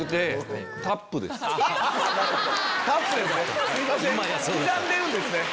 タップですねすいません刻んでるんですね。